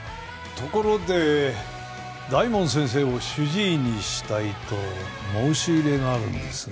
ところで大門先生を主治医にしたいと申し入れがあるんですがね。